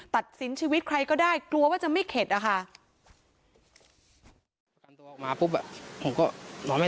ตัดสินชีวิตใครก็ได้กลัวว่าจะไม่เข็ดอะค่ะ